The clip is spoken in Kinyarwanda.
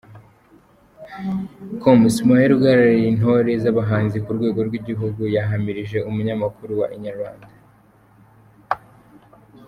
com Ismail uhagarariye intore z’abahanzi ku rwego rw’igihugu yahamirije umunyamakuru wa Inyarwanda.